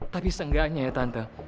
tapi seenggaknya ya tante